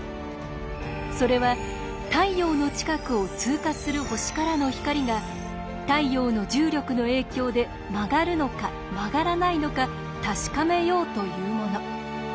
それは太陽の近くを通過する星からの光が太陽の重力の影響で曲がるのか曲がらないのか確かめようというもの。